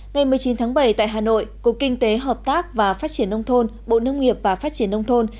ngày một mươi chín tháng bảy tại hà nội cục kinh tế hợp tác và phát triển nông thôn bộ nông nghiệp và phát triển nông thôn